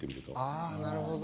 ああなるほど。